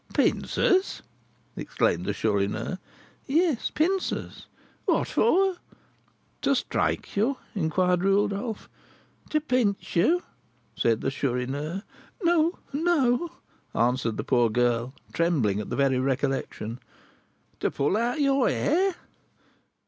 "Pincers!" exclaimed the Chourineur. "Yes, pincers." "What for?" "To strike you?" inquired Rodolph. "To pinch you?" said the Chourineur. "No, no," answered the poor girl, trembling at the very recollection. "To pull out your hair?"